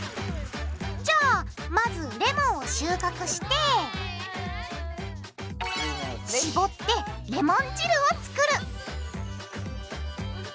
じゃあまずレモンを収穫してしぼってレモン汁を作る！